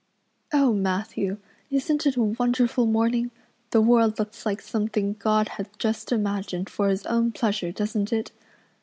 "Oh, Matthew, isn't it a wonderful morning? The world looks like something God had just imagined for His own pleasure, doesn't it?